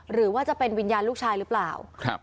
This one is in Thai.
หรือว่าจะเป็นวิญญาณลูกชายหรือเปล่า